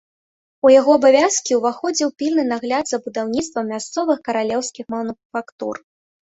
У яго абавязкі ўваходзіў пільны нагляд за будаўніцтвам мясцовых каралеўскіх мануфактур.